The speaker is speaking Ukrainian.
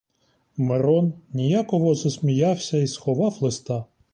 Мирон ніяково засміявся й сховав листа.